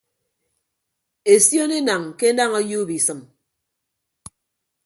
Esion enañ ke enañ ọyuup isịm.